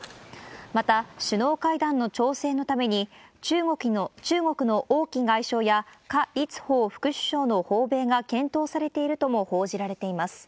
また、首脳会談の調整のために、中国の王毅外相や、かりつほう首相の訪米が検討されているとも報じられています。